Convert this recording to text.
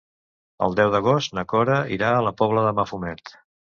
El deu d'agost na Cora irà a la Pobla de Mafumet.